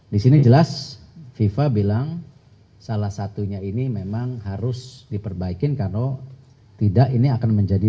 di sini jelas fifa bilang salah satunya ini memang harus diperbaikin karena tidak ini akan menjadi